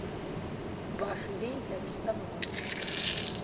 Баш лей дэпщтэнукъым.